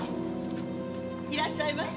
いらっしゃいませ。